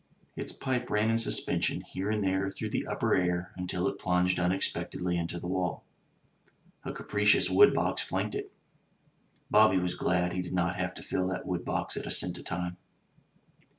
Its pipe ran in suspension here and there through the upper air until it plunged unexpectedly into the wall. A capacious wood box flanked it. Bobby was glad he did not have to fill that wood box at a cent a time.